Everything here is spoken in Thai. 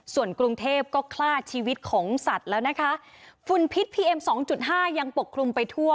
ส่วนกรุงเทพก็คลาดชีวิตของสัตว์แล้วนะคะฝุ่นพิษพีเอ็มสองจุดห้ายังปกคลุมไปทั่ว